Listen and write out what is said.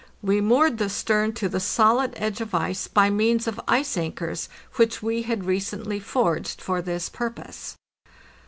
We moored the stern to the solid edge of ice by means of ice anchors, which we had recently forged for this purpose.